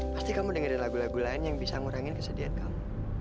pasti kamu dengerin lagu lagu lain yang bisa ngurangin kesediaan kamu